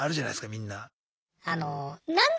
みんな。